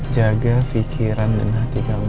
jaga pikiran dan hati kamu